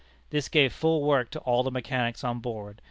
This gave full work to all the mechanics on board.